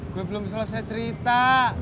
gue belum selesai cerita